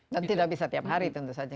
dan tidak bisa tiap hari tentu saja